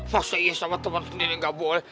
masih sama temen sendiri gak boleh